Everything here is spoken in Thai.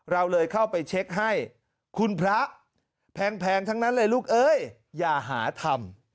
เราเลยเข้าไปเช็คให้คุณพระแพงทั้งนั้นเลยลูกเอ้ยอย่าหาทำ